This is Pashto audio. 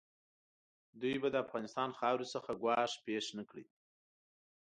دوی به د افغانستان خاورې څخه ګواښ پېښ نه کړي.